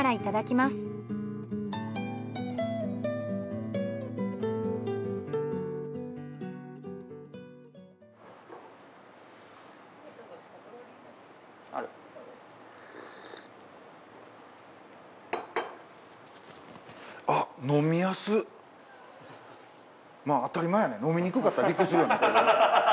まあ当たり前やね飲みにくかったらビックリするよね。